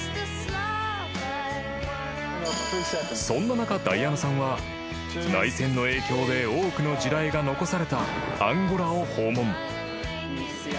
［そんな中ダイアナさんは内戦の影響で多くの地雷が残されたアンゴラを訪問］